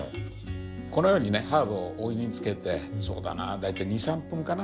このようにねハーブをお湯につけてそうだな大体２３分かな？